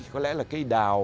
có lẽ là cây đào